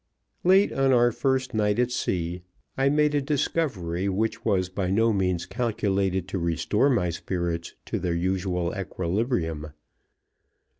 Late on our first night at sea, I made a discovery which was by no means calculated to restore my spirits to their usual equilibrium.